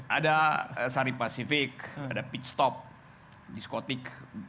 ada sari pacific ada pit stop diskotik